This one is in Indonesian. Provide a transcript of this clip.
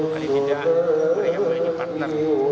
kalau tidak boleh yang lain di partner